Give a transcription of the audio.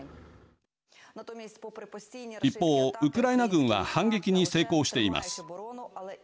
一方、ウクライナ軍は反撃に成功しています。